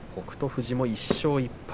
富士も１勝１敗。